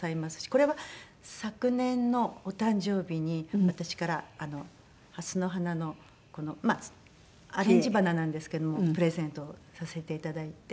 これは昨年のお誕生日に私からハスの花のまあアレンジ花なんですけどもプレゼントをさせていただいて。